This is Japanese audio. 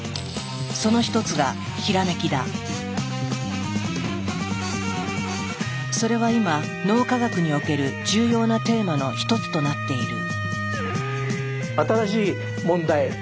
その一つがそれは今脳科学における重要なテーマの一つとなっている。